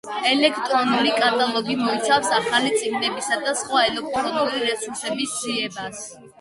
ელექტრონული კატალოგი მოიცავს ახალი წიგნებისა და სხვა ელექტრონული რესურსების ძიებას.